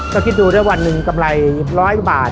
ก็คิดดูได้วันหนึ่งกำไร๑๐๐บาท